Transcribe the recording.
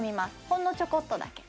ほんのちょこっとだけ。